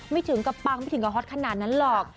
ถึงกับปังไม่ถึงกับฮอตขนาดนั้นหรอก